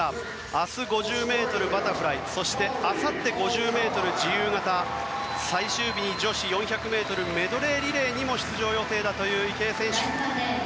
明日は５０ｍバタフライそしてあさって、５０ｍ自由形最終日に女子４００ｍメドレーリレーにも出場予定だという池江選手。